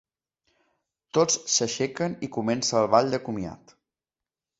Tots s'aixequen i comença el ball de comiat.